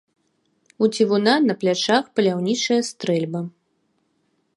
У цівуна на плячах паляўнічая стрэльба.